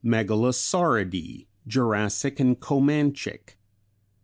Megalosauridæ Jurassic and Comanchic.